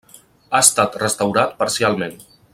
Ha estat restaurat parcialment.